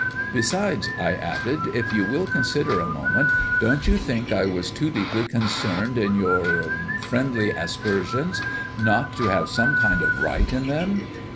Besides," I added, "if you will consider a moment, don't you think I was too deeply concerned in your friendly aspersions not to have some kind of right in them?